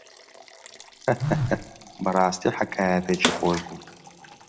هاهاها بەڕاستی حەکایەتێکی خۆش بوو.